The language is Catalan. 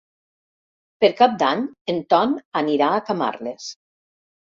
Per Cap d'Any en Ton anirà a Camarles.